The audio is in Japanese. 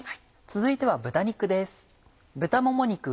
続いては豚肉です。